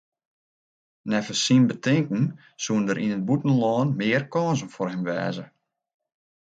Neffens syn betinken soene der yn it bûtenlân mear kânsen foar him wêze.